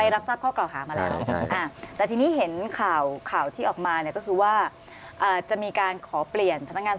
แล้วก็เอาหลักฐานไปให้